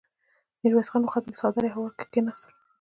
ميرويس خان وخندل، څادر يې هوار کړ، کېناست.